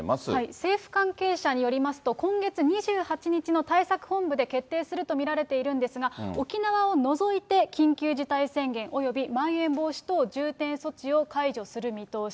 政府関係者によりますと、今月２８日の対策本部で決定すると見られているんですが、沖縄を除いて緊急事態宣言およびまん延防止等重点措置を解除する見通し。